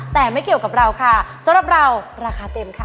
แต่ไม่เกี่ยวกับเราค่ะสำหรับเราราคาเต็มค่ะ